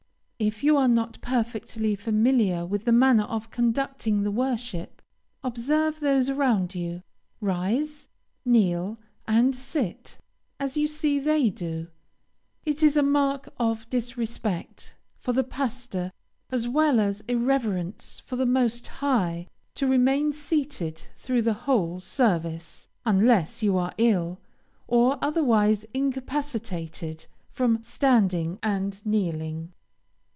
If you are not perfectly familiar with the manner of conducting the worship, observe those around you, rise, kneel, and sit, as you see they do. It is a mark of disrespect for the pastor as well as irreverence for the Most High, to remain seated through the whole service, unless you are ill, or otherwise incapacitated from standing and kneeling.